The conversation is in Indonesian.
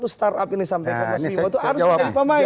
seribu lima ratus startup ini sampai kemasin waktu harus jadi pemain